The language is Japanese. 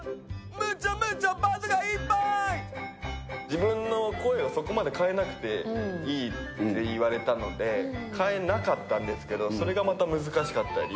自分の声をそこまで変えなくていいって言われたので、変えなかったんですけど、それがまた難しかったり。